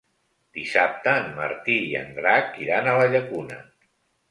Dissabte en Martí i en Drac iran a la Llacuna.